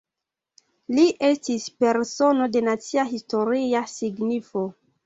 Li estis "Persono de Nacia Historia Signifo".